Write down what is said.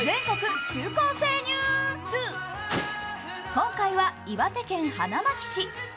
今回は岩手県花巻市。